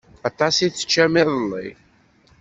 Aṭas i teččam iḍelli.